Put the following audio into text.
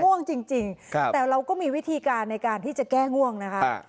ง่วงจริงแต่เราก็มีวิธีการในการที่จะแก้ง่วงนะคะ